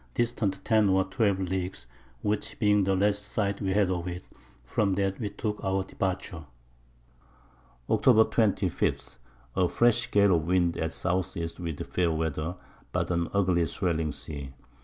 distant 10 or 12 Leagues, which being the last Sight we had of it, from that we took our Departure. Octob. 25. A fresh Gale of Wind at S. E. with fair Weather, but an ugly swelling Sea.